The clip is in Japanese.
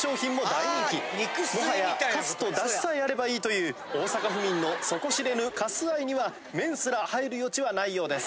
もはやかすと出汁さえあれば良いという大阪府民の底知れぬかす愛には麺すら入る余地は無いようです。